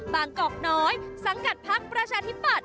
บังกรกน้อยสังกัดภักดิ์ประชาธิบัติ